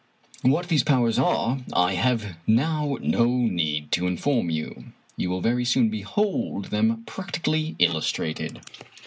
What these powers are I have now no need to inform you. . You will very soon behold them prac tically illustrated.